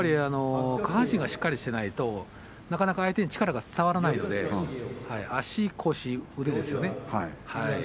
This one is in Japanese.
下半身がしっかりしていないとなかなか相手に力が伝わらないので足腰、腕ですよね。